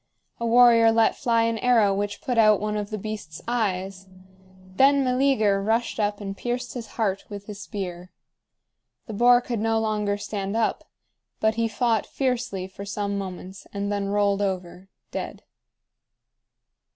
A warrior let fly an arrow which put out one of the beast's eyes. Then Meleager rushed up and pierced his heart with his spear. The boar could no longer stand up; but he fought fiercely for some moments, and then rolled over, dead.